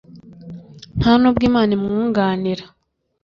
Nta nubwo Imana imwunganira